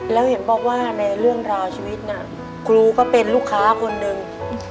แล้วเห็นบอกว่าในเรื่องราวชีวิตน่ะครูก็เป็นลูกค้าคนหนึ่ง